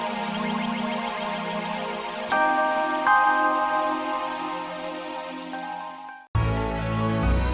sampai jumpa lagi